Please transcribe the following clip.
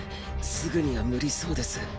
すぐには無理そうです。